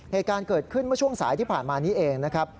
เหตุการณ์เกิดขึ้นเมื่อช่วงสายที่ผ่านมานี้เองนะครับ